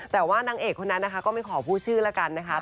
แต่ว่านางเอกคนนั้นนะคะก็ไม่ขอพูดชื่อแล้วกันนะคะ